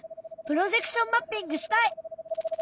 プロジェクションマッピングしたい！